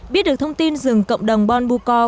biết được thông tin rừng cộng đồng bon bucor